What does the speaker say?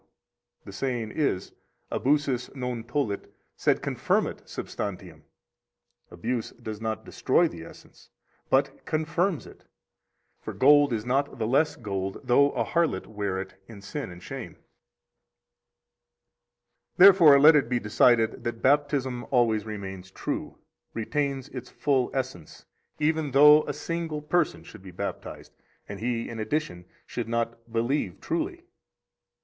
The saying is: Abusus non tollit, sed confirmat substantiam, Abuse does not destroy the essence, but confirms it. For gold is not the less gold though a harlot wear it in sin and shame. 60 Therefore let it be decided that Baptism always remains true, retains its full essence, even though a single person should be baptized, and he, in addition, should not believe truly.